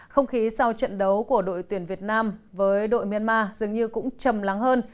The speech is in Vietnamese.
không khí sau trận đấu của đội tuyển việt nam với đội myanmar dường như cũng chầm lắng hơn